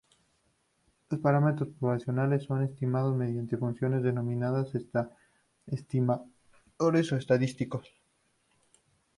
Los parámetros poblacionales son estimados mediante funciones denominadas "estimadores" o "estadísticos".